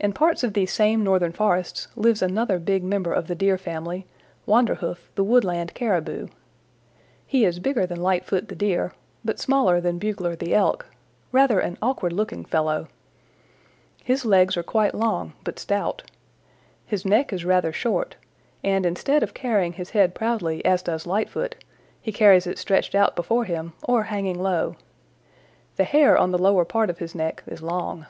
"In parts of these same northern forests lives another big member of the Deer family, Wanderhoof the Woodland Caribou. He is bigger than Lightfoot the Deer, but smaller than Bugler the Elk, rather an awkward looking fellow. His legs are quite long but stout. His neck is rather short, and instead of carrying his head proudly as does Lightfoot, he carries it stretched out before him or hanging low. The hair on the lower part of his neck is long.